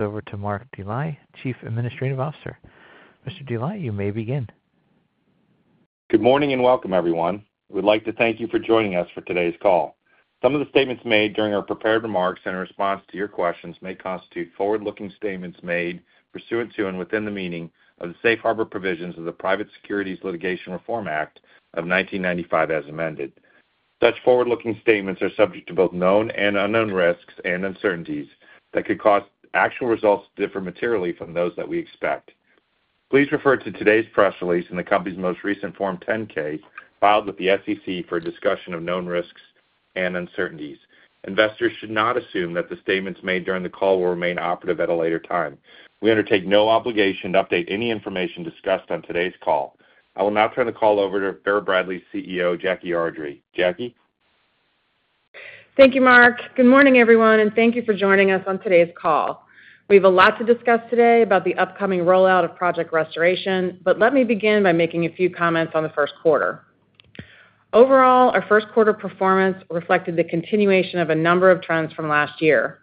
Over to Mark Dely, Chief Administrative Officer. Mr. Dely, you may begin. Good morning and welcome, everyone. We'd like to thank you for joining us for today's call. Some of the statements made during our prepared remarks and in response to your questions may constitute forward-looking statements made pursuant to and within the meaning of the safe harbor provisions of the Private Securities Litigation Reform Act of 1995 as amended. Such forward-looking statements are subject to both known and unknown risks and uncertainties that could cause actual results to differ materially from those that we expect. Please refer to today's press release and the company's most recent Form 10-K filed with the SEC for a discussion of known risks and uncertainties. Investors should not assume that the statements made during the call will remain operative at a later time. We undertake no obligation to update any information discussed on today's call. I will now turn the call over to Vera Bradley's CEO, Jackie Ardrey. Jackie? Thank you, Mark. Good morning, everyone, and thank you for joining us on today's call. We have a lot to discuss today about the upcoming rollout of Project Restoration, but let me begin by making a few comments on the first quarter. Overall, our first quarter performance reflected the continuation of a number of trends from last year.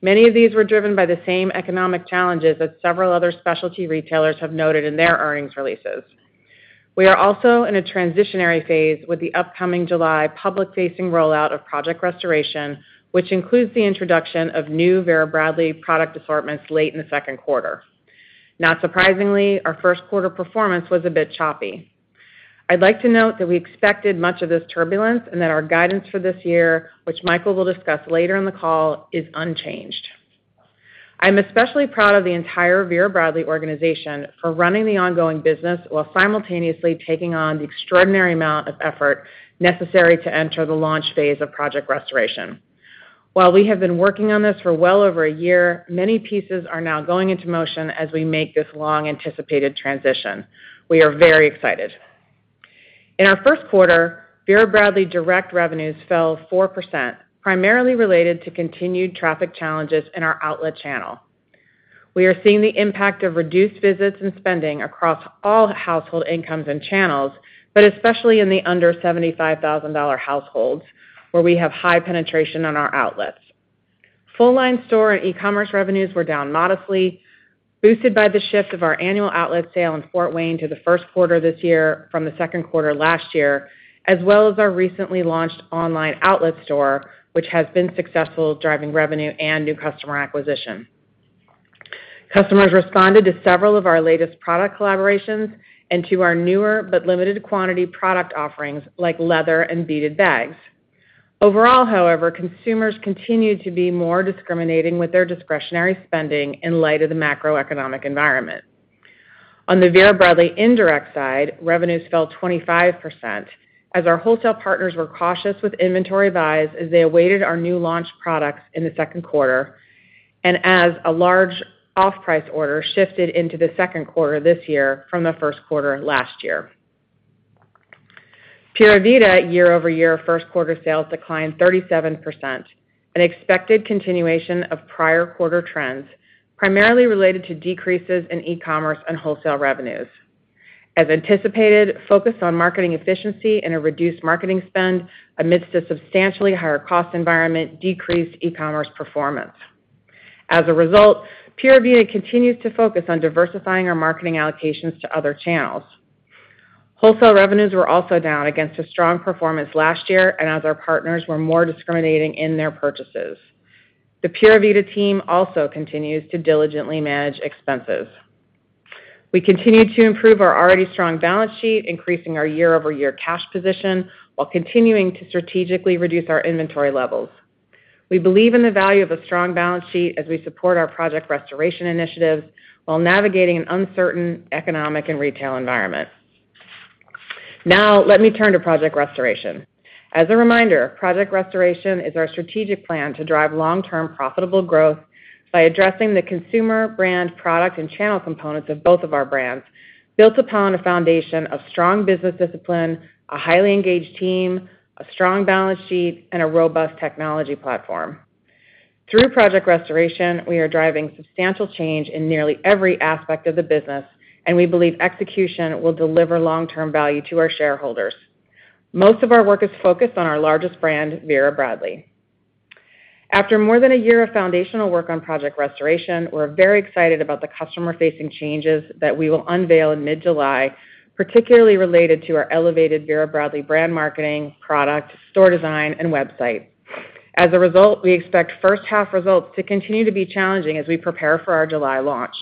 Many of these were driven by the same economic challenges that several other specialty retailers have noted in their earnings releases. We are also in a transitionary phase with the upcoming July public-facing rollout of Project Restoration, which includes the introduction of new Vera Bradley product assortments late in the second quarter. Not surprisingly, our first quarter performance was a bit choppy. I'd like to note that we expected much of this turbulence and that our guidance for this year, which Michael will discuss later in the call, is unchanged. I'm especially proud of the entire Vera Bradley organization for running the ongoing business while simultaneously taking on the extraordinary amount of effort necessary to enter the launch phase of Project Restoration. While we have been working on this for well over a year, many pieces are now going into motion as we make this long-anticipated transition. We are very excited. In our first quarter, Vera Bradley Direct revenues fell 4%, primarily related to continued traffic challenges in our outlet channel. We are seeing the impact of reduced visits and spending across all household incomes and channels, but especially in the under $75,000 households, where we have high penetration on our outlets. Full-line store and e-commerce revenues were down modestly, boosted by the shift of our annual outlet sale in Fort Wayne to the first quarter this year from the second quarter last year, as well as our recently launched online outlet store, which has been successful, driving revenue and new customer acquisition. Customers responded to several of our latest product collaborations and to our newer but limited quantity product offerings like leather and beaded bags. Overall, however, consumers continue to be more discriminating with their discretionary spending in light of the macroeconomic environment. On the Vera Bradley Indirect side, revenues fell 25% as our wholesale partners were cautious with inventory buys as they awaited our new launch products in the second quarter, and as a large off-price order shifted into the second quarter this year from the first quarter last year. Pura Vida year-over-year first quarter sales declined 37%, an expected continuation of prior quarter trends, primarily related to decreases in e-commerce and wholesale revenues. As anticipated, focus on marketing efficiency and a reduced marketing spend amidst a substantially higher cost environment decreased e-commerce performance. As a result, Pura Vida continues to focus on diversifying our marketing allocations to other channels. Wholesale revenues were also down against a strong performance last year, and as our partners were more discriminating in their purchases. The Pura Vida team also continues to diligently manage expenses. We continue to improve our already strong balance sheet, increasing our year-over-year cash position while continuing to strategically reduce our inventory levels. We believe in the value of a strong balance sheet as we support our Project Restoration initiatives while navigating an uncertain economic and retail environment. Now, let me turn to Project Restoration. As a reminder, Project Restoration is our strategic plan to drive long-term profitable growth by addressing the consumer, brand, product, and channel components of both of our brands, built upon a foundation of strong business discipline, a highly engaged team, a strong balance sheet, and a robust technology platform. Through Project Restoration, we are driving substantial change in nearly every aspect of the business, and we believe execution will deliver long-term value to our shareholders. Most of our work is focused on our largest brand, Vera Bradley. After more than a year of foundational work on Project Restoration, we're very excited about the customer-facing changes that we will unveil in mid-July, particularly related to our elevated Vera Bradley brand marketing, product, store design, and website. As a result, we expect first-half results to continue to be challenging as we prepare for our July launch.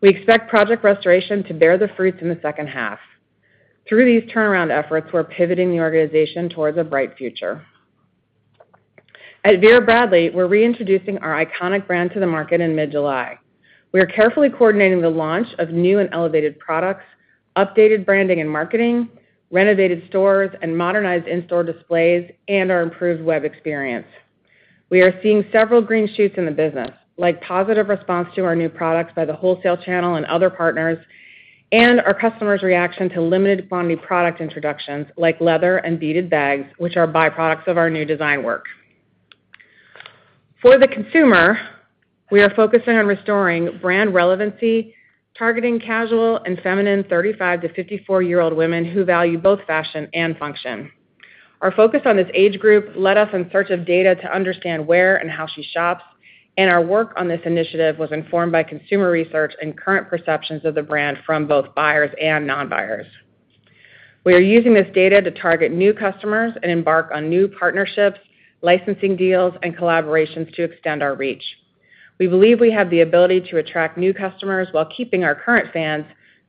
We expect Project Restoration to bear the fruits in the second half. Through these turnaround efforts, we're pivoting the organization towards a bright future. At Vera Bradley, we're reintroducing our iconic brand to the market in mid-July. We are carefully coordinating the launch of new and elevated products, updated branding and marketing, renovated stores, and modernized in-store displays and our improved web experience. We are seeing several green shoots in the business, like positive response to our new products by the wholesale channel and other partners, and our customers' reaction to limited quantity product introductions like leather and beaded bags, which are byproducts of our new design work. For the consumer, we are focusing on restoring brand relevancy, targeting casual and feminine 35- to 54-year-old women who value both fashion and function. Our focus on this age group led us in search of data to understand where and how she shops, and our work on this initiative was informed by consumer research and current perceptions of the brand from both buyers and non-buyers. We are using this data to target new customers and embark on new partnerships, licensing deals, and collaborations to extend our reach. We believe we have the ability to attract new customers while keeping our current fans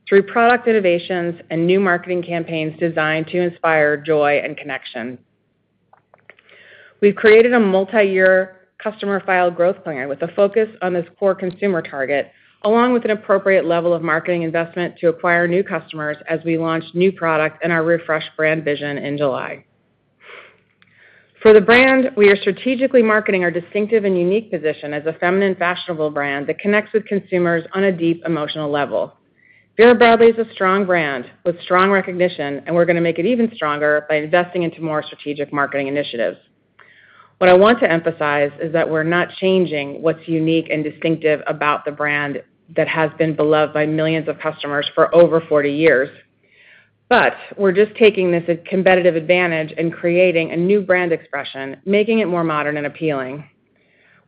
through product innovations and new marketing campaigns designed to inspire joy and connection. We've created a multi-year customer file growth plan with a focus on this core consumer target, along with an appropriate level of marketing investment to acquire new customers as we launch new products and our refreshed brand vision in July. For the brand, we are strategically marketing our distinctive and unique position as a feminine fashionable brand that connects with consumers on a deep emotional level. Vera Bradley is a strong brand with strong recognition, and we're going to make it even stronger by investing into more strategic marketing initiatives. What I want to emphasize is that we're not changing what's unique and distinctive about the brand that has been beloved by millions of customers for over 40 years, but we're just taking this competitive advantage and creating a new brand expression, making it more modern and appealing.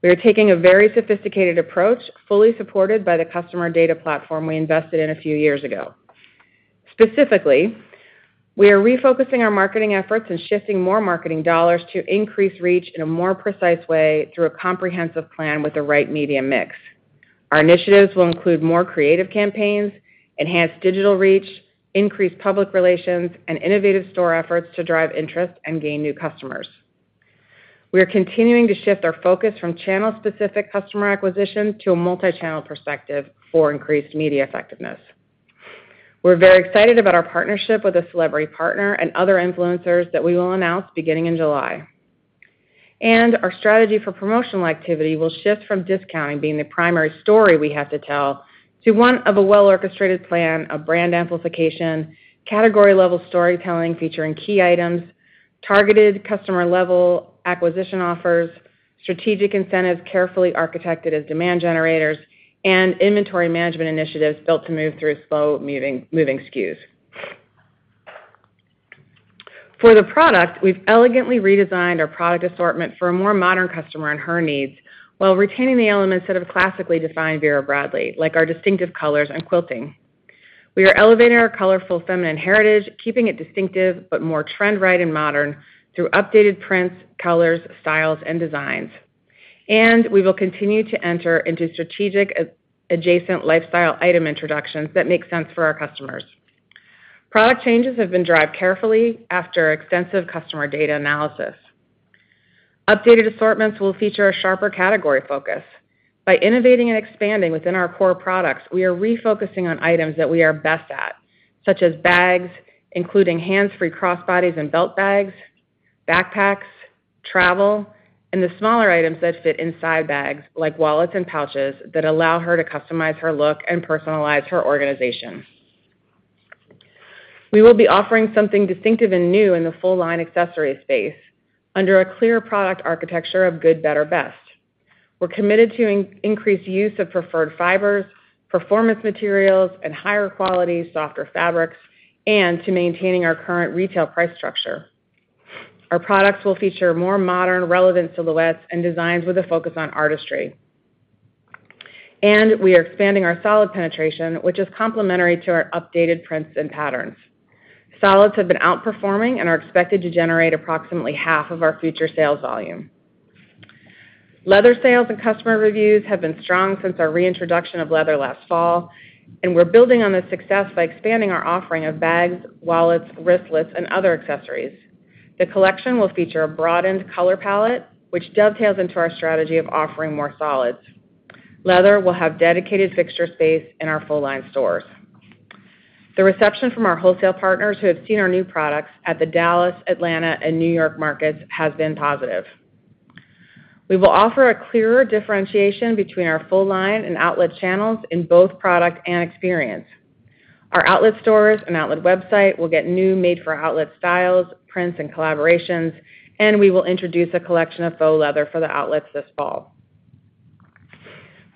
We are taking a very sophisticated approach, fully supported by the customer data platform we invested in a few years ago. Specifically, we are refocusing our marketing efforts and shifting more marketing dollars to increase reach in a more precise way through a comprehensive plan with the right media mix. Our initiatives will include more creative campaigns, enhanced digital reach, increased public relations, and innovative store efforts to drive interest and gain new customers. We are continuing to shift our focus from channel-specific customer acquisition to a multi-channel perspective for increased media effectiveness. We're very excited about our partnership with a celebrity partner and other influencers that we will announce beginning in July. And our strategy for promotional activity will shift from discounting being the primary story we have to tell to one of a well-orchestrated plan of brand amplification, category-level storytelling featuring key items, targeted customer-level acquisition offers, strategic incentives carefully architected as demand generators, and inventory management initiatives built to move through slow-moving SKUs. For the product, we've elegantly redesigned our product assortment for a more modern customer and her needs while retaining the elements that have classically defined Vera Bradley, like our distinctive colors and quilting. We are elevating our colorful feminine heritage, keeping it distinctive but more trend-right and modern through updated prints, colors, styles, and designs. We will continue to enter into strategic adjacent lifestyle item introductions that make sense for our customers. Product changes have been driven carefully after extensive customer data analysis. Updated assortments will feature a sharper category focus. By innovating and expanding within our core products, we are refocusing on items that we are best at, such as bags, including hands-free crossbodies and belt bags, backpacks, travel, and the smaller items that fit inside bags like wallets and pouches that allow her to customize her look and personalize her organization. We will be offering something distinctive and new in the full-line accessory space under a clear product architecture of good, better, best. We're committed to increased use of preferred fibers, performance materials, and higher-quality, softer fabrics, and to maintaining our current retail price structure. Our products will feature more modern, relevant silhouettes and designs with a focus on artistry. We are expanding our solid penetration, which is complementary to our updated prints and patterns. Solids have been outperforming and are expected to generate approximately half of our future sales volume. Leather sales and customer reviews have been strong since our reintroduction of leather last fall, and we're building on this success by expanding our offering of bags, wallets, wristlets, and other accessories. The collection will feature a broadened color palette, which dovetails into our strategy of offering more solids. Leather will have dedicated fixture space in our full-line stores. The reception from our wholesale partners who have seen our new products at the Dallas, Atlanta, and New York markets has been positive. We will offer a clearer differentiation between our full-line and outlet channels in both product and experience. Our outlet stores and outlet website will get new made-for-outlet styles, prints, and collaborations, and we will introduce a collection of faux leather for the outlets this fall.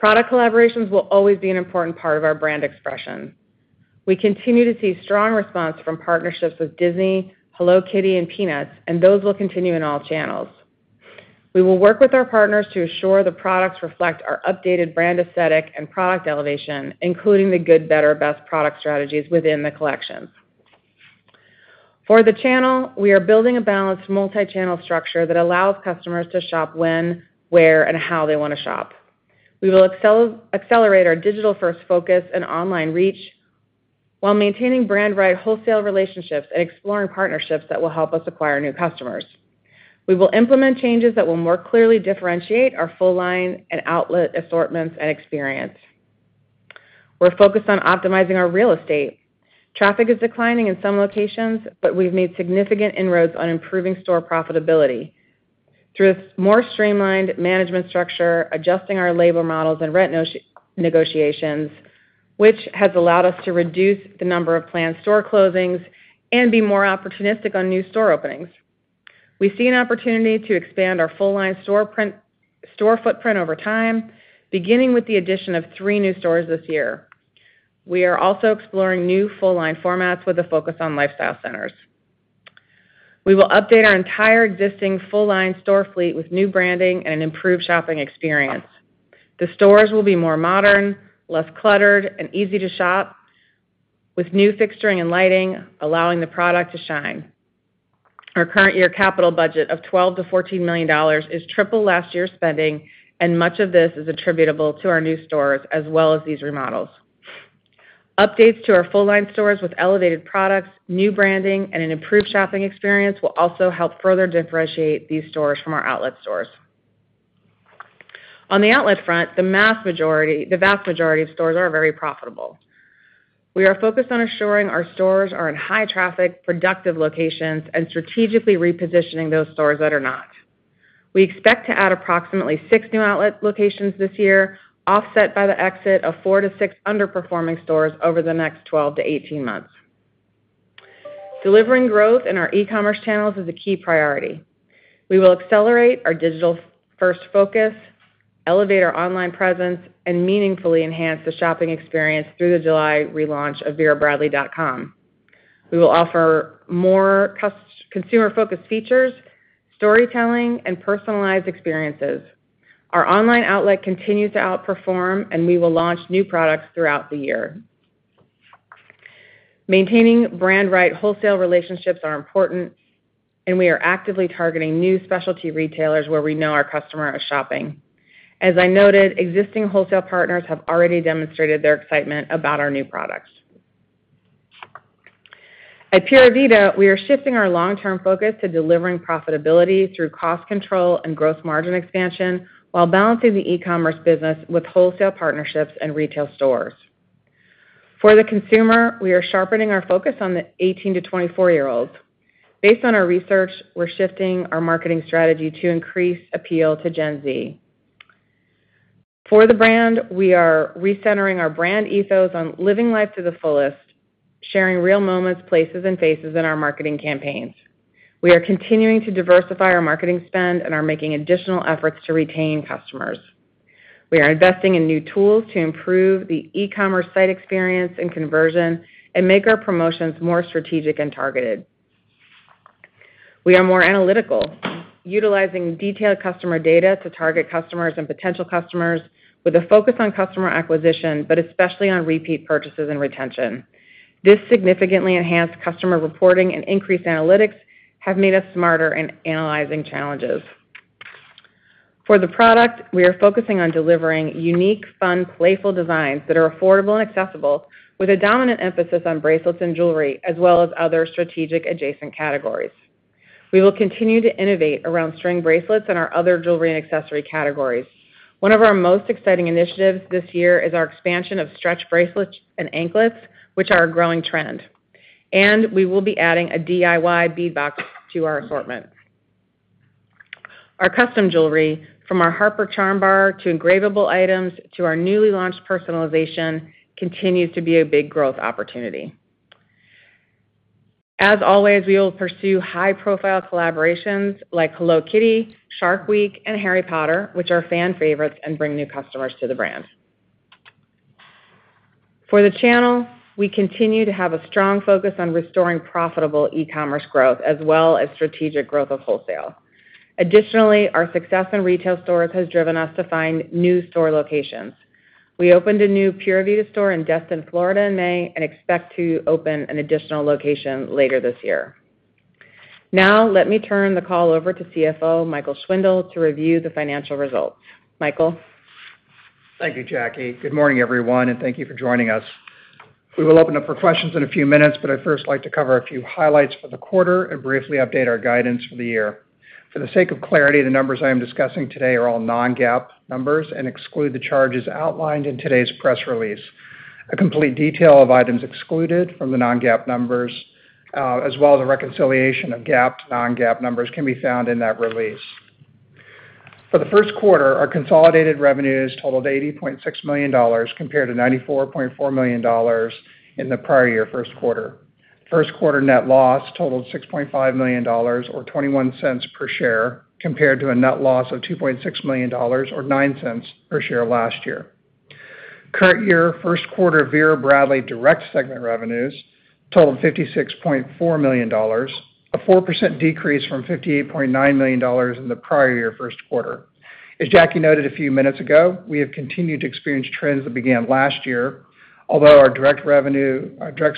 Product collaborations will always be an important part of our brand expression. We continue to see strong response from partnerships with Disney, Hello Kitty, and Peanuts, and those will continue in all channels. We will work with our partners to ensure the products reflect our updated brand aesthetic and product elevation, including the good, better, best product strategies within the collections. For the channel, we are building a balanced multi-channel structure that allows customers to shop when, where, and how they want to shop. We will accelerate our digital-first focus and online reach while maintaining brand-wide wholesale relationships and exploring partnerships that will help us acquire new customers. We will implement changes that will more clearly differentiate our full-line and outlet assortments and experience. We're focused on optimizing our real estate. Traffic is declining in some locations, but we've made significant inroads on improving store profitability through a more streamlined management structure, adjusting our labor models and rent negotiations, which has allowed us to reduce the number of planned store closings and be more opportunistic on new store openings. We see an opportunity to expand our full-line store footprint over time, beginning with the addition of three new stores this year. We are also exploring new full-line formats with a focus on lifestyle centers. We will update our entire existing full-line store fleet with new branding and an improved shopping experience. The stores will be more modern, less cluttered, and easy to shop, with new fixturing and lighting allowing the product to shine. Our current year capital budget of $12-$14 million is triple last year's spending, and much of this is attributable to our new stores as well as these remodels. Updates to our full-line stores with elevated products, new branding, and an improved shopping experience will also help further differentiate these stores from our outlet stores. On the outlet front, the vast majority of stores are very profitable. We are focused on assuring our stores are in high-traffic, productive locations, and strategically repositioning those stores that are not. We expect to add approximately 6 new outlet locations this year, offset by the exit of 4-6 underperforming stores over the next 12-18 months. Delivering growth in our e-commerce channels is a key priority. We will accelerate our digital-first focus, elevate our online presence, and meaningfully enhance the shopping experience through the July relaunch of verabradley.com. We will offer more consumer-focused features, storytelling, and personalized experiences. Our online outlet continues to outperform, and we will launch new products throughout the year. Maintaining brand-wide wholesale relationships are important, and we are actively targeting new specialty retailers where we know our customer is shopping. As I noted, existing wholesale partners have already demonstrated their excitement about our new products. At Pura Vida, we are shifting our long-term focus to delivering profitability through cost control and gross margin expansion while balancing the e-commerce business with wholesale partnerships and retail stores. For the consumer, we are sharpening our focus on the 18-24-year-olds. Based on our research, we're shifting our marketing strategy to increase appeal to Gen Z. For the brand, we are recentering our brand ethos on living life to the fullest, sharing real moments, places, and faces in our marketing campaigns. We are continuing to diversify our marketing spend and are making additional efforts to retain customers. We are investing in new tools to improve the e-commerce site experience and conversion and make our promotions more strategic and targeted. We are more analytical, utilizing detailed customer data to target customers and potential customers with a focus on customer acquisition, but especially on repeat purchases and retention. This significantly enhanced customer reporting and increased analytics have made us smarter in analyzing challenges. For the product, we are focusing on delivering unique, fun, playful designs that are affordable and accessible, with a dominant emphasis on bracelets and jewelry, as well as other strategic adjacent categories. We will continue to innovate around string bracelets and our other jewelry and accessory categories. One of our most exciting initiatives this year is our expansion of stretch bracelets and anklets, which are a growing trend. And we will be adding a DIY Bead Box to our assortment. Our custom jewelry, from our Harper Charm Bar to engravable items to our newly launched personalization, continues to be a big growth opportunity. As always, we will pursue high-profile collaborations like Hello Kitty, Shark Week, and Harry Potter, which are fan favorites and bring new customers to the brand. For the channel, we continue to have a strong focus on restoring profitable e-commerce growth as well as strategic growth of wholesale. Additionally, our success in retail stores has driven us to find new store locations. We opened a new Pura Vida store in Destin, Florida, in May, and expect to open an additional location later this year. Now, let me turn the call over to CFO Michael Schwindle to review the financial results. Michael. Thank you, Jackie. Good morning, everyone, and thank you for joining us. We will open up for questions in a few minutes, but I'd first like to cover a few highlights for the quarter and briefly update our guidance for the year. For the sake of clarity, the numbers I am discussing today are all non-GAAP numbers and exclude the charges outlined in today's press release. A complete detail of items excluded from the non-GAAP numbers, as well as a reconciliation of GAAP to non-GAAP numbers, can be found in that release. For the first quarter, our consolidated revenues totaled $80.6 million compared to $94.4 million in the prior year first quarter. First quarter net loss totaled $6.5 million, or $0.21 per share, compared to a net loss of $2.6 million, or $0.09 per share last year. Current year first quarter Vera Bradley Direct segment revenues totaled $56.4 million, a 4% decrease from $58.9 million in the prior year first quarter. As Jackie noted a few minutes ago, we have continued to experience trends that began last year, although our direct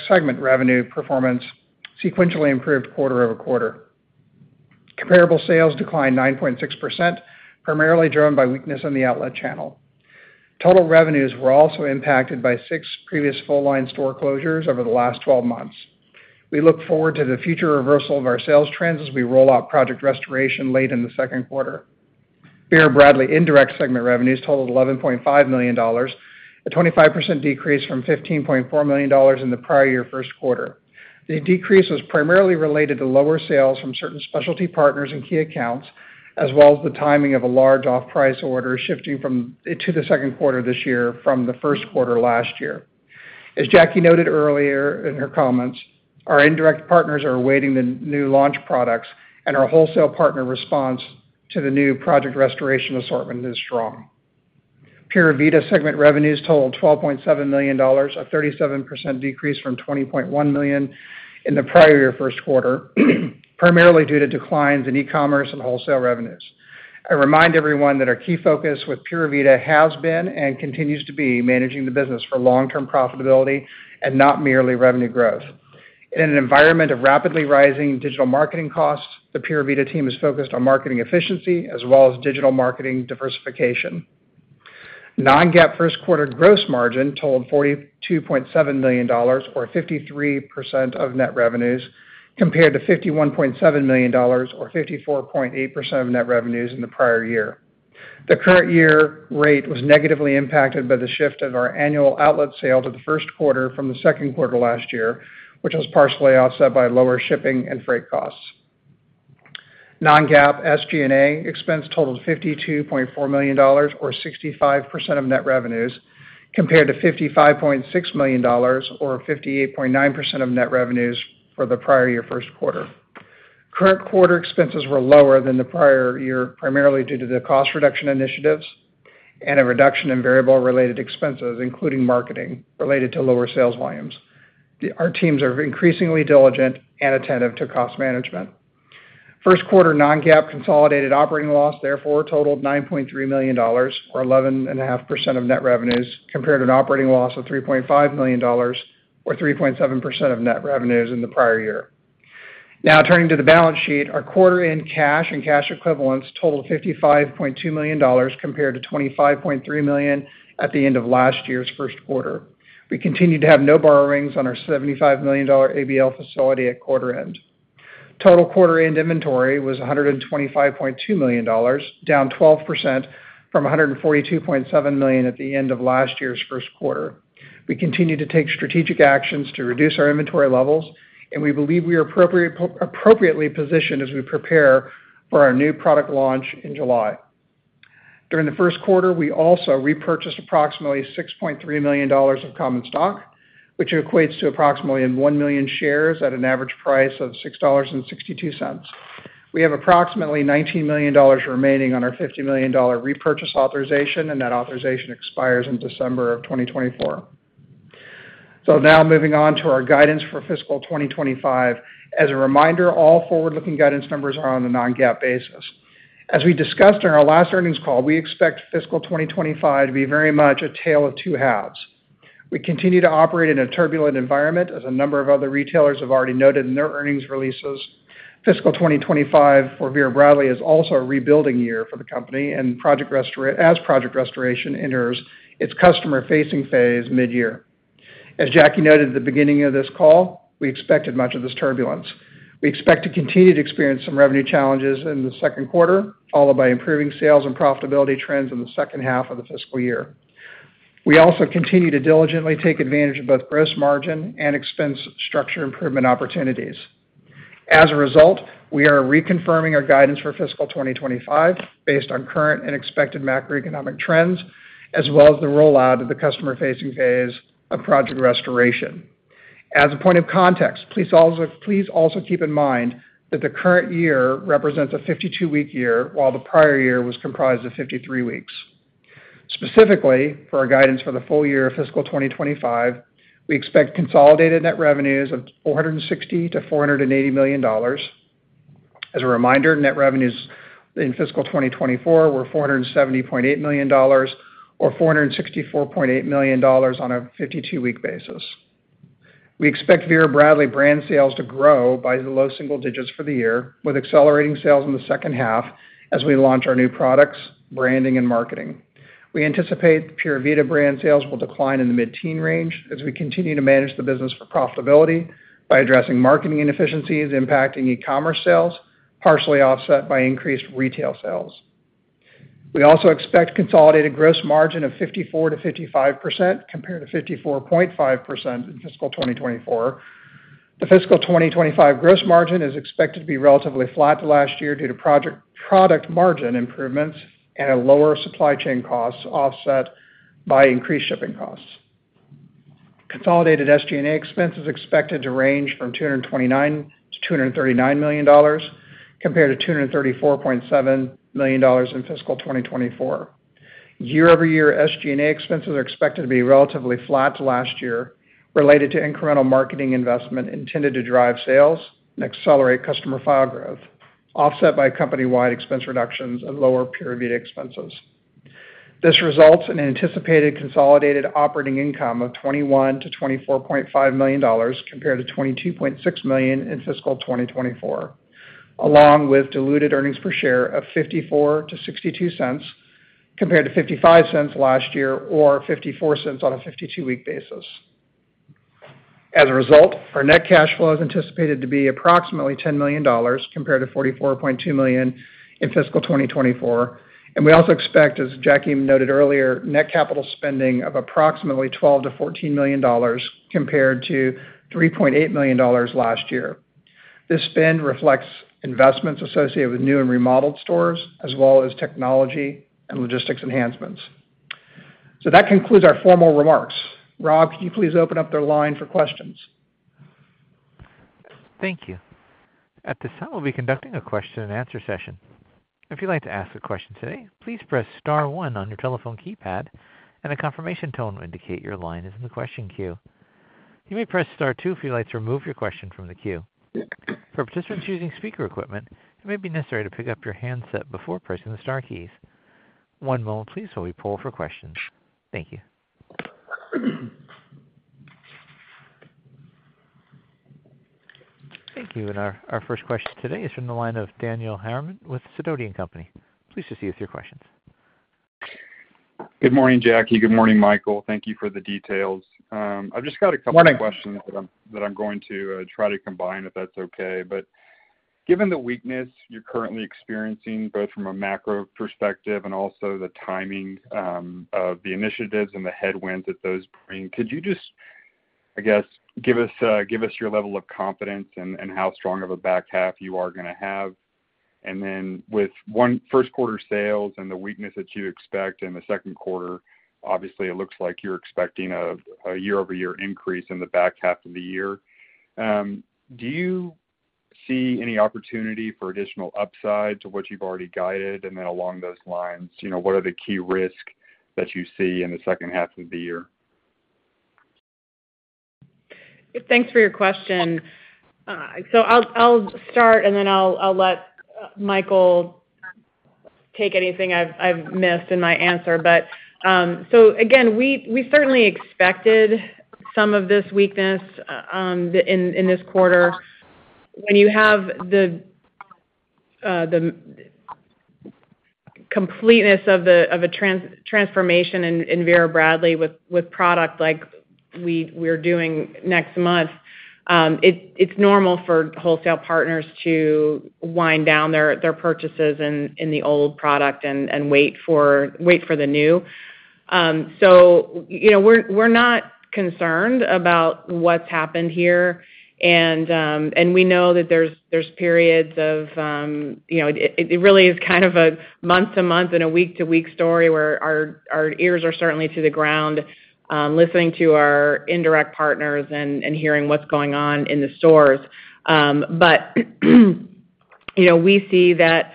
segment revenue performance sequentially improved quarter-over-quarter. Comparable sales declined 9.6%, primarily driven by weakness in the outlet channel. Total revenues were also impacted by six previous full-line store closures over the last 12 months. We look forward to the future reversal of our sales trends as we roll out Project Restoration late in the second quarter. Vera Bradley Indirect segment revenues totaled $11.5 million, a 25% decrease from $15.4 million in the prior year first quarter. The decrease was primarily related to lower sales from certain specialty partners and key accounts, as well as the timing of a large off-price order shifting to the second quarter this year from the first quarter last year. As Jackie noted earlier in her comments, our indirect partners are awaiting the new launch products, and our wholesale partner response to the new Project Restoration assortment is strong. Pura Vida segment revenues totaled $12.7 million, a 37% decrease from $20.1 million in the prior year first quarter, primarily due to declines in e-commerce and wholesale revenues. I remind everyone that our key focus with Pura Vida has been and continues to be managing the business for long-term profitability and not merely revenue growth. In an environment of rapidly rising digital marketing costs, the Pura Vida team is focused on marketing efficiency as well as digital marketing diversification. Non-GAAP first quarter gross margin totaled $42.7 million, or 53% of net revenues, compared to $51.7 million, or 54.8% of net revenues in the prior year. The current year rate was negatively impacted by the shift of our annual outlet sales of the first quarter from the second quarter last year, which was partially offset by lower shipping and freight costs. Non-GAAP SG&A expense totaled $52.4 million, or 65% of net revenues, compared to $55.6 million, or 58.9% of net revenues for the prior year first quarter. Current quarter expenses were lower than the prior year, primarily due to the cost reduction initiatives and a reduction in variable-related expenses, including marketing, related to lower sales volumes. Our teams are increasingly diligent and attentive to cost management. First quarter non-GAAP consolidated operating loss, therefore, totaled $9.3 million, or 11.5% of net revenues, compared to an operating loss of $3.5 million, or 3.7% of net revenues in the prior year. Now, turning to the balance sheet, our quarter-end cash and cash equivalents totaled $55.2 million, compared to $25.3 million at the end of last year's first quarter. We continued to have no borrowings on our $75 million ABL facility at quarter-end. Total quarter-end inventory was $125.2 million, down 12% from $142.7 million at the end of last year's first quarter. We continue to take strategic actions to reduce our inventory levels, and we believe we are appropriately positioned as we prepare for our new product launch in July. During the first quarter, we also repurchased approximately $6.3 million of common stock, which equates to approximately one million shares at an average price of $6.62. We have approximately $19 million remaining on our $50 million repurchase authorization, and that authorization expires in December of 2024. So now, moving on to our guidance for fiscal 2025. As a reminder, all forward-looking guidance numbers are on a non-GAAP basis. As we discussed in our last earnings call, we expect fiscal 2025 to be very much a tale of two halves. We continue to operate in a turbulent environment, as a number of other retailers have already noted in their earnings releases. Fiscal 2025 for Vera Bradley is also a rebuilding year for the company, and as Project Restoration enters its customer-facing phase mid-year. As Jackie noted at the beginning of this call, we expected much of this turbulence. We expect to continue to experience some revenue challenges in the second quarter, followed by improving sales and profitability trends in the second half of the fiscal year. We also continue to diligently take advantage of both gross margin and expense structure improvement opportunities. As a result, we are reconfirming our guidance for fiscal 2025 based on current and expected macroeconomic trends, as well as the rollout of the customer-facing phase of Project Restoration. As a point of context, please also keep in mind that the current year represents a 52-week year, while the prior year was comprised of 53 weeks. Specifically, for our guidance for the full year of fiscal 2025, we expect consolidated net revenues of $460-$480 million. As a reminder, net revenues in fiscal 2024 were $470.8 million, or $464.8 million on a 52-week basis. We expect Vera Bradley brand sales to grow by the low single digits for the year, with accelerating sales in the second half as we launch our new products, branding, and marketing. We anticipate Pura Vida brand sales will decline in the mid-teen range as we continue to manage the business for profitability by addressing marketing inefficiencies impacting e-commerce sales, partially offset by increased retail sales. We also expect consolidated gross margin of 54%-55% compared to 54.5% in fiscal 2024. The fiscal 2025 gross margin is expected to be relatively flat to last year due to product margin improvements and a lower supply chain cost offset by increased shipping costs. Consolidated SG&A expenses are expected to range from $229-$239 million, compared to $234.7 million in fiscal 2024. Year-over-year SG&A expenses are expected to be relatively flat to last year, related to incremental marketing investment intended to drive sales and accelerate customer file growth, offset by company-wide expense reductions and lower Pura Vida expenses. This results in anticipated consolidated operating income of $21-$24.5 million compared to $22.6 million in fiscal 2024, along with diluted earnings per share of $0.54-$0.62 compared to $0.55 last year or $0.54 on a 52-week basis. As a result, our net cash flow is anticipated to be approximately $10 million compared to $44.2 million in fiscal 2024. We also expect, as Jackie noted earlier, net capital spending of approximately $12-$14 million compared to $3.8 million last year. This spend reflects investments associated with new and remodeled stores, as well as technology and logistics enhancements. That concludes our formal remarks. Rob, could you please open up the line for questions? Thank you. At this time, we'll be conducting a question-and-answer session. If you'd like to ask a question today, please press star one on your telephone keypad, and a confirmation tone will indicate your line is in the question queue. You may press star two if you'd like to remove your question from the queue. For participants using speaker equipment, it may be necessary to pick up your handset before pressing the Star keys. One moment, please, while we pull for questions. Thank you. Thank you. Our first question today is from the line of Daniel Harriman with Sidoti & Company. Please proceed with your questions. Good morning, Jackie. Good morning, Michael. Thank you for the details. I've just got a couple of questions that I'm going to try to combine if that's okay. But given the weakness you're currently experiencing, both from a macro perspective and also the timing of the initiatives and the headwinds that those bring, could you just, I guess, give us your level of confidence and how strong of a back half you are going to have? And then with Q1 first quarter sales and the weakness that you expect in the second quarter, obviously, it looks like you're expecting a year-over-year increase in the back half of the year. Do you see any opportunity for additional upside to what you've already guided? And then along those lines, what are the key risks that you see in the second half of the year? Thanks for your question. I'll start, and then I'll let Michael take anything I've missed in my answer. But so again, we certainly expected some of this weakness in this quarter. When you have the completeness of a transformation in Vera Bradley with product like we're doing next month, it's normal for wholesale partners to wind down their purchases in the old product and wait for the new. So we're not concerned about what's happened here. And we know that there's periods of it really is kind of a month-to-month and a week-to-week story where our ears are certainly to the ground, listening to our indirect partners and hearing what's going on in the stores. But we see that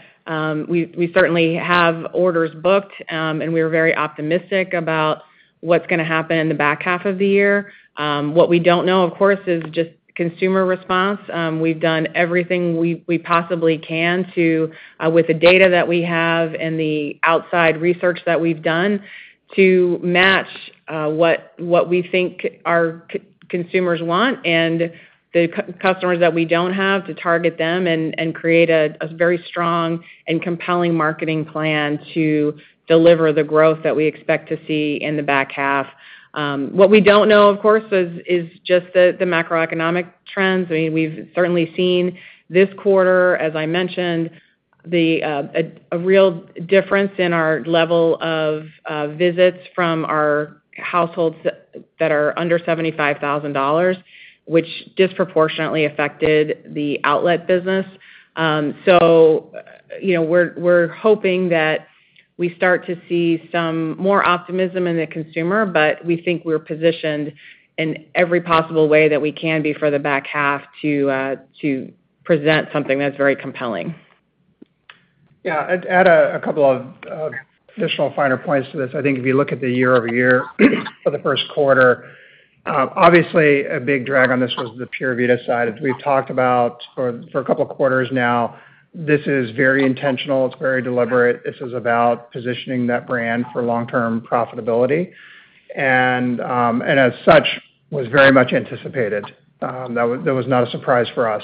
we certainly have orders booked, and we are very optimistic about what's going to happen in the back half of the year. What we don't know, of course, is just consumer response. We've done everything we possibly can with the data that we have and the outside research that we've done to match what we think our consumers want and the customers that we don't have to target them and create a very strong and compelling marketing plan to deliver the growth that we expect to see in the back half. What we don't know, of course, is just the macroeconomic trends. I mean, we've certainly seen this quarter, as I mentioned, a real difference in our level of visits from our households that are under $75,000, which disproportionately affected the outlet business. So we're hoping that we start to see some more optimism in the consumer, but we think we're positioned in every possible way that we can be for the back half to present something that's very compelling. Yeah. And add a couple of additional finer points to this. I think if you look at the year-over-year for the first quarter, obviously, a big drag on this was the Pura Vida side. As we've talked about for a couple of quarters now, this is very intentional. It's very deliberate. This is about positioning that brand for long-term profitability. And as such, it was very much anticipated. That was not a surprise for us.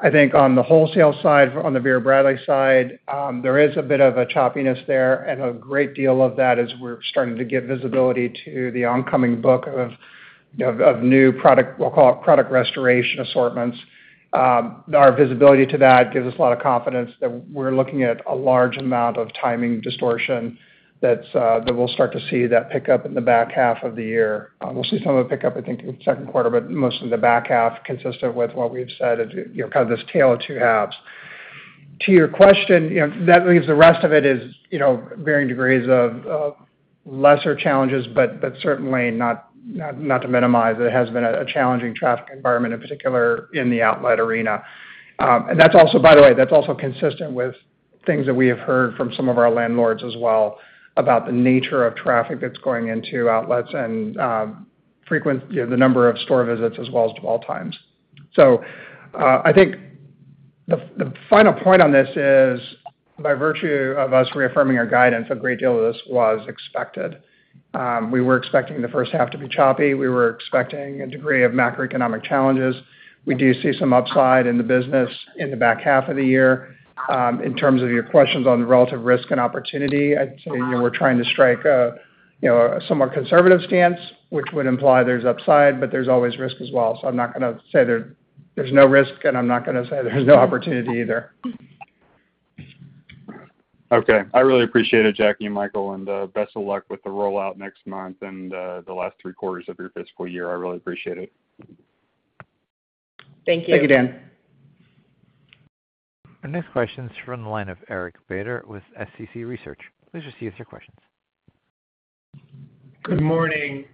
I think on the wholesale side, on the Vera Bradley side, there is a bit of a choppiness there. A great deal of that is we're starting to get visibility to the oncoming book of new product, we'll call it Product Restoration assortments. Our visibility to that gives us a lot of confidence that we're looking at a large amount of timing distortion that we'll start to see that pick up in the back half of the year. We'll see some of the pickup, I think, in the second quarter, but mostly in the back half, consistent with what we've said is kind of this tale of two halves. To your question, that means the rest of it is varying degrees of lesser challenges, but certainly not to minimize that it has been a challenging traffic environment, in particular in the outlet arena. And that's also, by the way, that's also consistent with things that we have heard from some of our landlords as well about the nature of traffic that's going into outlets and the number of store visits as well as to all times. So I think the final point on this is, by virtue of us reaffirming our guidance, a great deal of this was expected. We were expecting the first half to be choppy. We were expecting a degree of macroeconomic challenges. We do see some upside in the business in the back half of the year. In terms of your questions on relative risk and opportunity, I'd say we're trying to strike a somewhat conservative stance, which would imply there's upside, but there's always risk as well. So I'm not going to say there's no risk, and I'm not going to say there's no opportunity either. Okay. I really appreciate it, Jackie and Michael. Best of luck with the rollout next month and the last three quarters of your fiscal year. I really appreciate it. Thank you. Thank you, Dan. Our next question is from the line of Eric Beder with SCC Research. Please proceed with your questions. Good morning.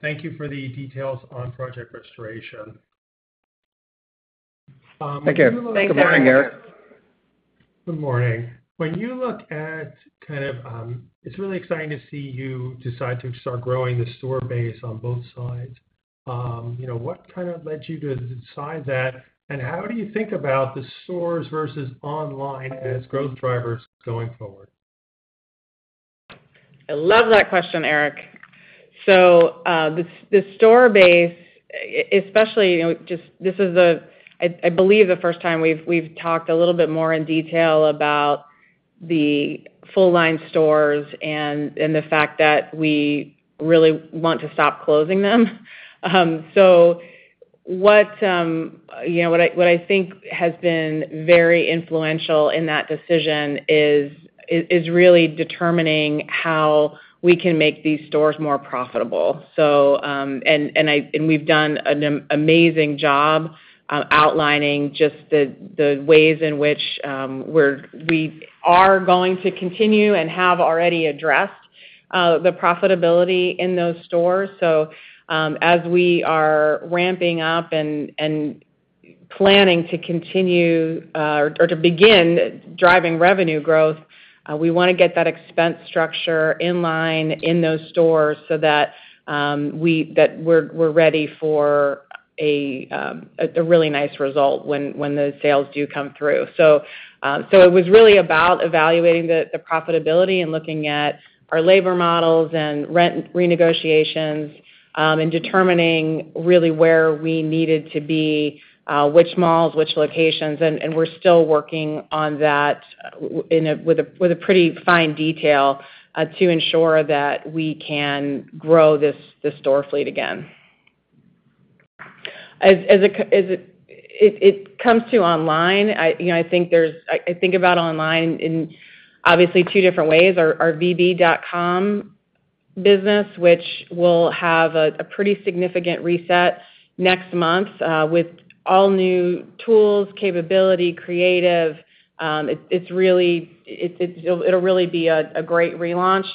Thank you for the details on Project Restoration. Thank you. Thank you. Good morning, Eric. Good morning. When you look at kind of, it's really exciting to see you decide to start growing the store base on both sides. What kind of led you to decide that? And how do you think about the stores versus online as growth drivers going forward? I love that question, Eric. The store base, especially just, this is, I believe, the first time we've talked a little bit more in detail about the full-line stores and the fact that we really want to stop closing them. What I think has been very influential in that decision is really determining how we can make these stores more profitable. We've done an amazing job outlining just the ways in which we are going to continue and have already addressed the profitability in those stores. As we are ramping up and planning to continue or to begin driving revenue growth, we want to get that expense structure in line in those stores so that we're ready for a really nice result when the sales do come through. So it was really about evaluating the profitability and looking at our labor models and rent renegotiations and determining really where we needed to be, which malls, which locations. And we're still working on that with a pretty fine detail to ensure that we can grow this store fleet again. As it comes to online, I think about online in obviously two different ways: our VB.com business, which will have a pretty significant reset next month with all new tools, capability, creative. It'll really be a great relaunch.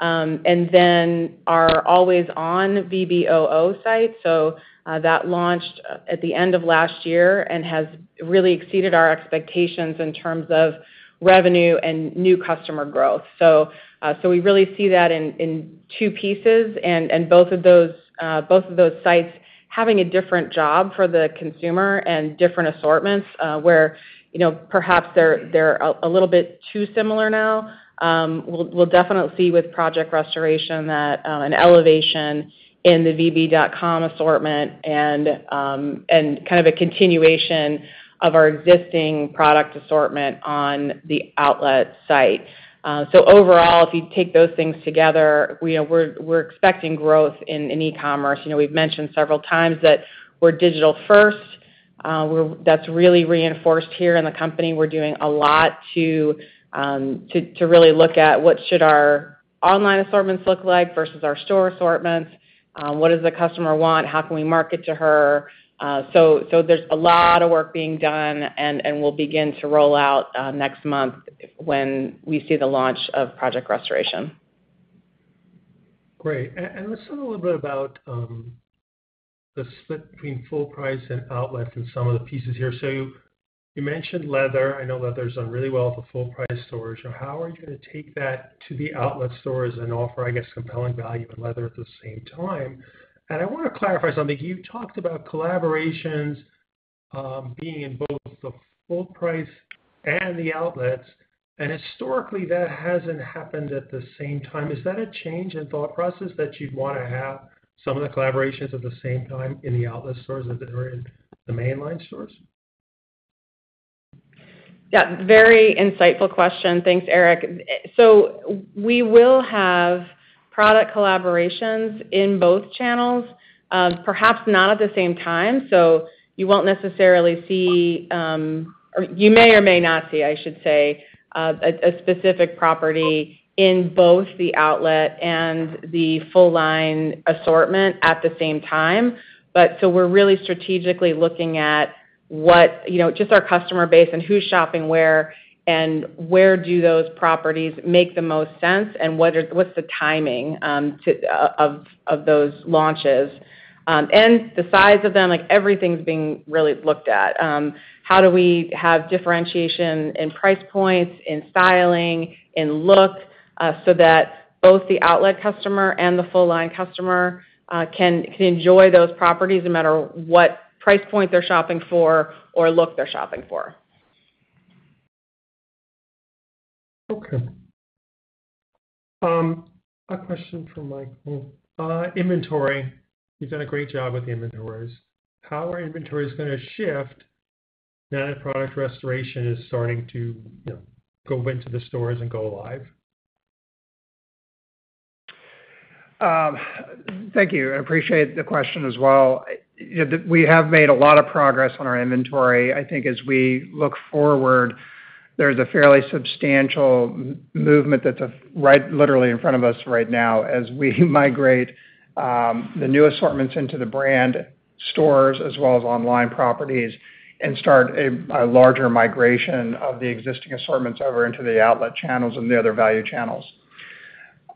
And then our always-on VBOO site. So that launched at the end of last year and has really exceeded our expectations in terms of revenue and new customer growth. So we really see that in two pieces. And both of those sites having a different job for the consumer and different assortments where perhaps they're a little bit too similar now. We'll definitely see with Project Restoration that an elevation in the VB.com assortment and kind of a continuation of our existing product assortment on the outlet site. So overall, if you take those things together, we're expecting growth in e-commerce. We've mentioned several times that we're digital first. That's really reinforced here in the company. We're doing a lot to really look at what should our online assortments look like versus our store assortments. What does the customer want? How can we market to her? So there's a lot of work being done, and we'll begin to roll out next month when we see the launch of Project Restoration. Great. And let's talk a little bit about the split between full price and outlets and some of the pieces here. So you mentioned leather. I know leather has done really well at the full price stores. How are you going to take that to the outlet stores and offer, I guess, compelling value in leather at the same time? I want to clarify something. You talked about collaborations being in both the full price and the outlets. Historically, that hasn't happened at the same time. Is that a change in thought process that you'd want to have some of the collaborations at the same time in the outlet stores as they were in the mainline stores? Yeah. Very insightful question. Thanks, Eric. So we will have product collaborations in both channels, perhaps not at the same time. So you won't necessarily see, or you may or may not see, I should say, a specific property in both the outlet and the full-line assortment at the same time. So we're really strategically looking at just our customer base and who's shopping where and where do those properties make the most sense and what's the timing of those launches. And the size of them, everything's being really looked at. How do we have differentiation in price points, in styling, in look so that both the outlet customer and the full-line customer can enjoy those properties no matter what price point they're shopping for or look they're shopping for? Okay. A question from Michael. Inventory. You've done a great job with inventories. How are inventories going to shift now that Project Restoration is starting to go into the stores and go live? Thank you. I appreciate the question as well. We have made a lot of progress on our inventory. I think as we look forward, there's a fairly substantial movement that's literally in front of us right now as we migrate the new assortments into the brand stores as well as online properties and start a larger migration of the existing assortments over into the outlet channels and the other value channels.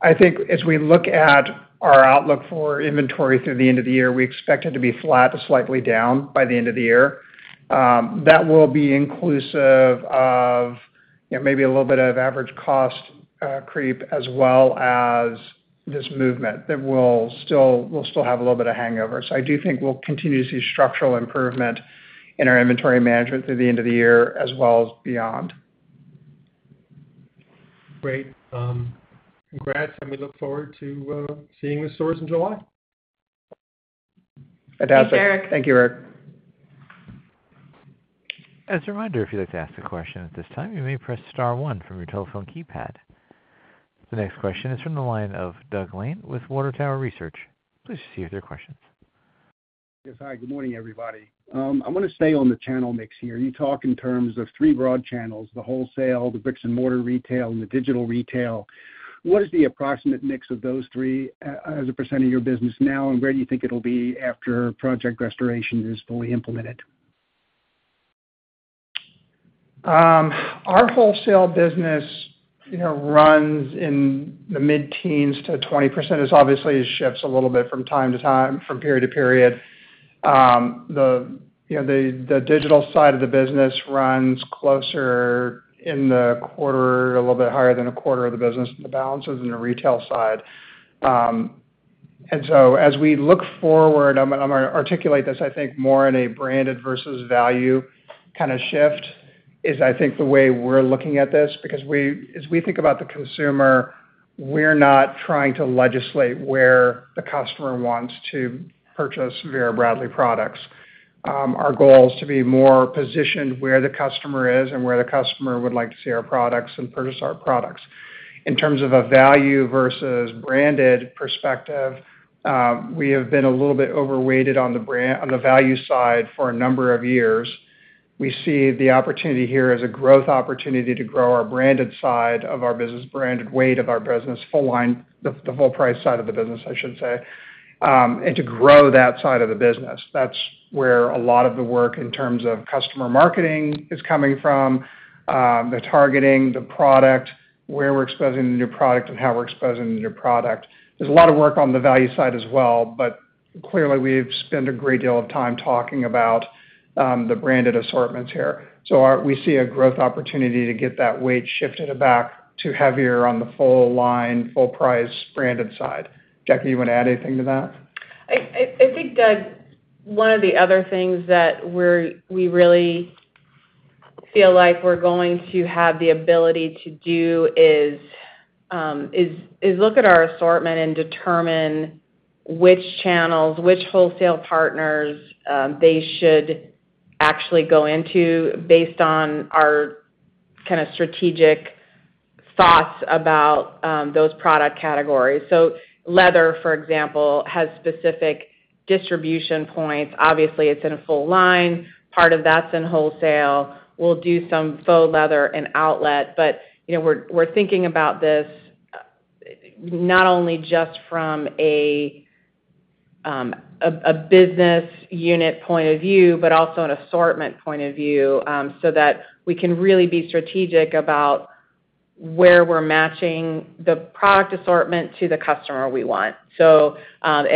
I think as we look at our outlook for inventory through the end of the year, we expect it to be flat to slightly down by the end of the year. That will be inclusive of maybe a little bit of average cost creep as well as this movement. We'll still have a little bit of hangover. So I do think we'll continue to see structural improvement in our inventory management through the end of the year as well as beyond. Great. Congrats. We look forward to seeing the stores in July. Fantastic. Thanks, Eric. Thank you, Eric. As a reminder, if you'd like to ask a question at this time, you may press star one from your telephone keypad. The next question is from the line of Doug Lane with Water Tower Research. Please proceed with your questions. Yes. Hi. Good morning, everybody. I want to stay on the channel mix here. You talk in terms of three broad channels: the wholesale, the bricks-and-mortar retail, and the digital retail. What is the approximate mix of those three as a percent of your business now? And where do you think it'll be after Project Restoration is fully implemented? Our wholesale business runs in the mid-teens to 20%. It obviously shifts a little bit from time to time, from period to period. The digital side of the business runs closer in the quarter, a little bit higher than a quarter of the business, and the balance is in the retail side. And so as we look forward, I'm going to articulate this, I think, more in a branded versus value kind of shift is, I think, the way we're looking at this. Because as we think about the consumer, we're not trying to legislate where the customer wants to purchase Vera Bradley products. Our goal is to be more positioned where the customer is and where the customer would like to see our products and purchase our products. In terms of a value versus branded perspective, we have been a little bit overweighted on the value side for a number of years. We see the opportunity here as a growth opportunity to grow our branded side of our business, branded weight of our business, the full price side of the business, I should say, and to grow that side of the business. That's where a lot of the work in terms of customer marketing is coming from, the targeting, the product, where we're exposing the new product, and how we're exposing the new product. There's a lot of work on the value side as well. But clearly, we've spent a great deal of time talking about the branded assortments here. So we see a growth opportunity to get that weight shifted back to heavier on the full-line, full-price branded side. Jackie, you want to add anything to that? I think one of the other things that we really feel like we're going to have the ability to do is look at our assortment and determine which channels, which wholesale partners they should actually go into based on our kind of strategic thoughts about those product categories. So leather, for example, has specific distribution points. Obviously, it's in a full-line. Part of that's in wholesale. We'll do some faux leather and outlet. But we're thinking about this not only just from a business unit point of view, but also an assortment point of view so that we can really be strategic about where we're matching the product assortment to the customer we want. And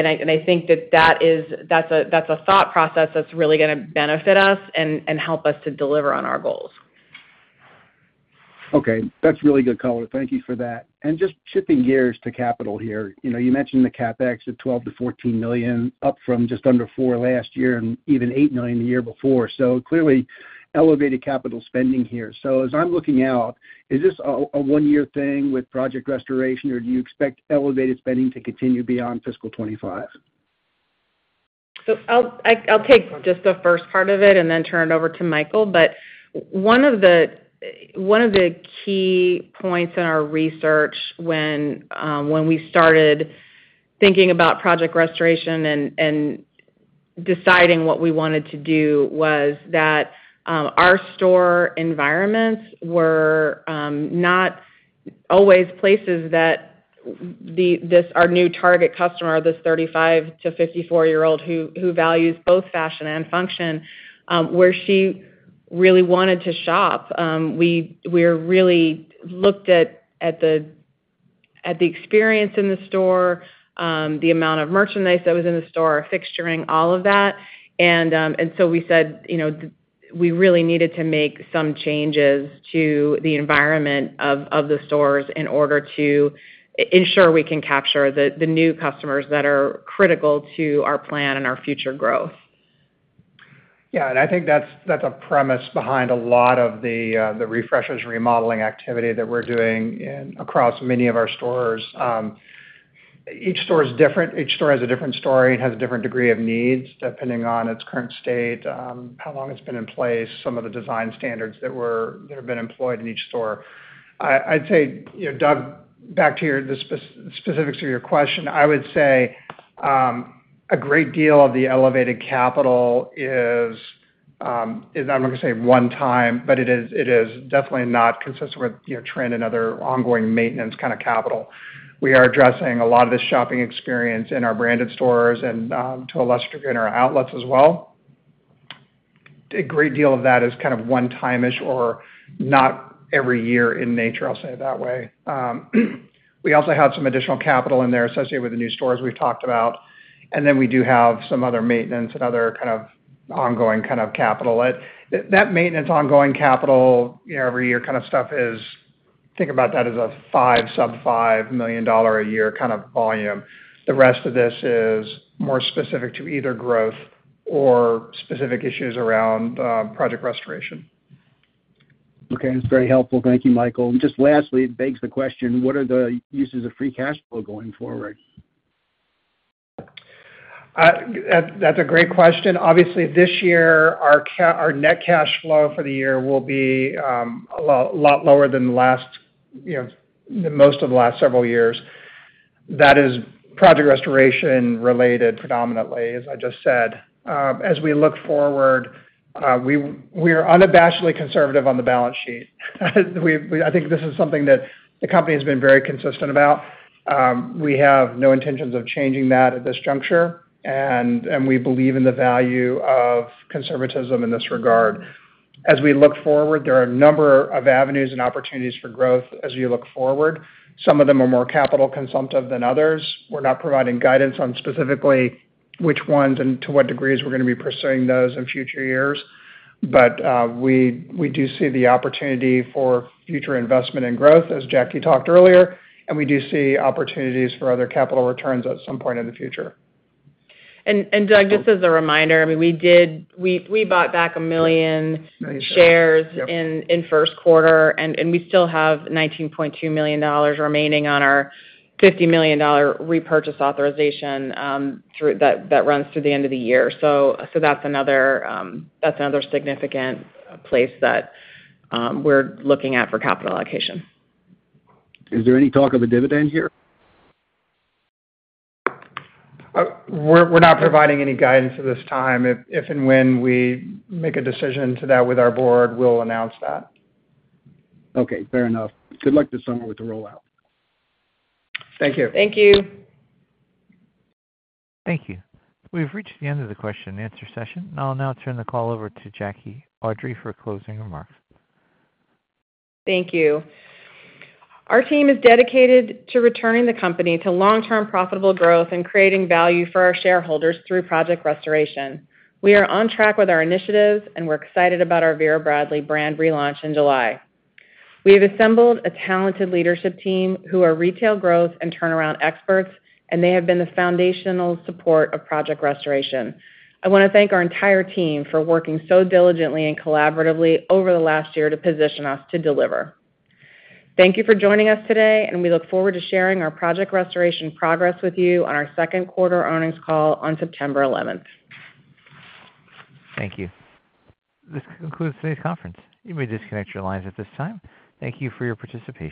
I think that that's a thought process that's really going to benefit us and help us to deliver on our goals. Okay. That's really good, Colin. Thank you for that. Just shifting gears to capital here. You mentioned the CapEx of $12 million-$14 million, up from just under $4 million last year and even $8 million the year before. So clearly, elevated capital spending here. So as I'm looking out, is this a one-year thing with Project Restoration, or do you expect elevated spending to continue beyond fiscal 2025? So I'll take just the first part of it and then turn it over to Michael. But one of the key points in our research when we started thinking about Project Restoration and deciding what we wanted to do was that our store environments were not always places that our new target customer, this 35-54-year-old who values both fashion and function, where she really wanted to shop. We really looked at the experience in the store, the amount of merchandise that was in the store, fixturing, all of that. And so we said we really needed to make some changes to the environment of the stores in order to ensure we can capture the new customers that are critical to our plan and our future growth. Yeah. And I think that's a premise behind a lot of the refreshers and remodeling activity that we're doing across many of our stores. Each store is different. Each store has a different story and has a different degree of needs depending on its current state, how long it's been in place, some of the design standards that have been employed in each store. I'd say, Doug, back to the specifics of your question. I would say a great deal of the elevated capital is. I'm not going to say one time, but it is definitely not consistent with trend and other ongoing maintenance kind of capital. We are addressing a lot of the shopping experience in our branded stores and to a lesser degree in our outlets as well. A great deal of that is kind of one-time-ish or not every year in nature. I'll say it that way. We also have some additional capital in there associated with the new stores we've talked about. And then we do have some other maintenance and other kind of ongoing kind of capital. That maintenance ongoing capital every year kind of stuff is. Think about that as a $5 million, sub-$5 million a year kind of volume. The rest of this is more specific to either growth or specific issues around Project Restoration. Okay. That's very helpful. Thank you, Michael. And just lastly, it begs the question, what are the uses of free cash flow going forward? That's a great question. Obviously, this year, our net cash flow for the year will be a lot lower than most of the last several years. That is Project Restoration related predominantly, as I just said. As we look forward, we are unabashedly conservative on the balance sheet. I think this is something that the company has been very consistent about. We have no intentions of changing that at this juncture. And we believe in the value of conservatism in this regard. As we look forward, there are a number of avenues and opportunities for growth as we look forward. Some of them are more capital-consumptive than others. We're not providing guidance on specifically which ones and to what degrees we're going to be pursuing those in future years. But we do see the opportunity for future investment and growth, as Jackie talked earlier. We do see opportunities for other capital returns at some point in the future. Doug, just as a reminder, I mean, we bought back 1 million shares in first quarter. We still have $19.2 million remaining on our $50 million repurchase authorization that runs through the end of the year. That's another significant place that we're looking at for capital allocation. Is there any talk of a dividend here? We're not providing any guidance at this time. If and when we make a decision to that with our board, we'll announce that. Okay. Fair enough. Good luck this summer with the rollout. Thank you. Thank you. Thank you. We've reached the end of the question-and-answer session. I'll now turn the call over to Jackie Ardrey for closing remarks. Thank you. Our team is dedicated to returning the company to long-term profitable growth and creating value for our shareholders through Project Restoration. We are on track with our initiatives, and we're excited about our Vera Bradley brand relaunch in July. We have assembled a talented leadership team who are retail growth and turnaround experts, and they have been the foundational support of Project Restoration. I want to thank our entire team for working so diligently and collaboratively over the last year to position us to deliver. Thank you for joining us today, and we look forward to sharing our Project Restoration progress with you on our second quarter earnings call on September 11th. Thank you. This concludes today's conference. You may disconnect your lines at this time. Thank you for your participation.